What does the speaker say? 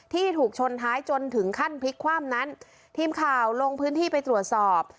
ที่ถูกชนท้ายจนถึงขั้นพลิกคว่ำนั้นทีมข่าวลงพื้นที่ไปตรวจสอบ